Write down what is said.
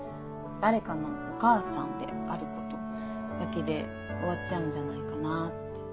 「誰かのお母さん」であることだけで終わっちゃうんじゃないかなって。